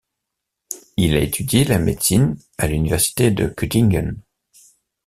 Il a étudié la médecine à l'Université de Göttingen.